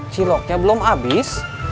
ciloknya belum habis